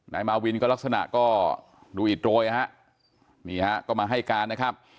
นายมาวินลักษณะก็ดูอิดโรยนะครับมีนะครับก็มาให้การนะครับ